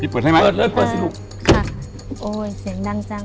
เปิดให้ไหมเปิดเลยเปิดสิลูกค่ะโอ้ยเสียงดังจัง